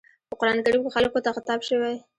په قرآن کريم کې خلکو ته خطاب شوی.